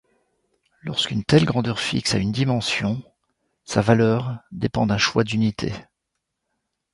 Lorsqu'une telle grandeur fixe a une dimension, sa valeur dépend d'un choix d'unités.